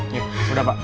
yuk udah pak